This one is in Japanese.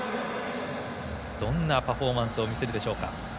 どんなパフォーマンスを見せてくるでしょうか。